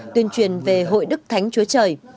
tuyên truyền về hội đức thánh chúa trời